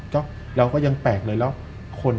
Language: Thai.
เราก็ยังแปลกเลยแล้ว